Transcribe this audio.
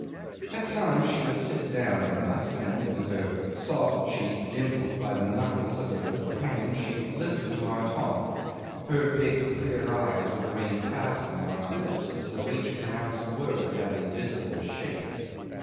At times she would sit down with us and, with her soft cheek dimpled by the knuckles of her little hand, she would listen to our talk; her big clear eyes would remain fastened on our lips, as though each pronounced word had a visible shape.